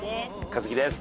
和樹です。